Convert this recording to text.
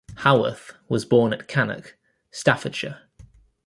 Howarth was born at Cannock, Staffordshire.